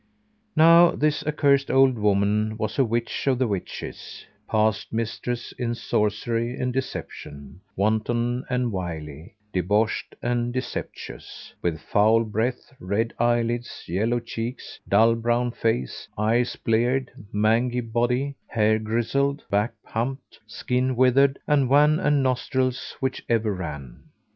Now this accursed old woman was a witch of the witches, past mistress in sorcery and deception; wanton and wily, deboshed and deceptious; with foul breath, red eyelids, yellow cheeks, dull brown face, eyes bleared, mangy body, hair grizzled, back humped, skin withered and wan and nostrils which ever ran.